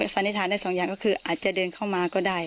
สันนิษฐานได้สองอย่างก็คืออาจจะเดินเข้ามาก็ได้